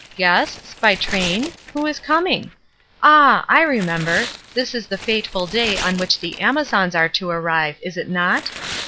''Guests? By train? Who is coming? Ah, I remember; this is the fateful day on which the Amazons are to arrive, is it not?